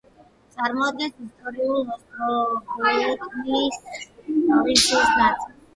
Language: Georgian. წარმოადგენს ისტორიული ოსტრობოტნიის პროვინციის ნაწილს.